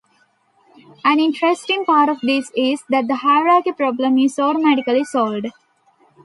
An interesting part of this is that the hierarchy problem is automatically solved.